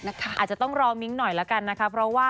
อาจจะต้องรอมิ้งหน่อยก่อนนะคะ